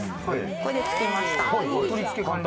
これで、つきました。